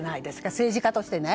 政治家としてね。